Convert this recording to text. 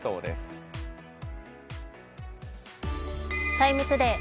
「ＴＩＭＥ，ＴＯＤＡＹ」